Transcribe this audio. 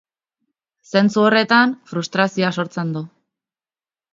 Zentzu horretan, frustrazioa sortzen du.